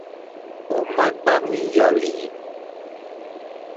Ò ma ŋgba miinyali?